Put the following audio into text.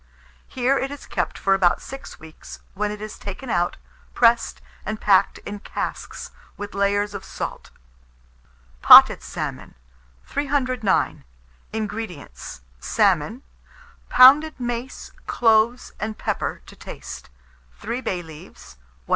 Here it is kept for about six weeks, when it is taken out, pressed and packed in casks, with layers of salt. POTTED SALMON. 309. INGREDIENTS. Salmon; pounded mace, cloves, and pepper to taste; 3 bay leaves, 1/4 lb.